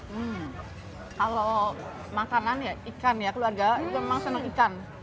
hmm kalau makanan ya ikan ya keluarga itu memang senang ikan